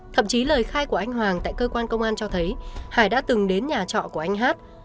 thậm chí lời khai của anh hoàng tại cơ quan công an cho thấy hải đã từng đến nhà trọ của anh hát